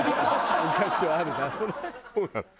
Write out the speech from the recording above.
昔はあるなそれ。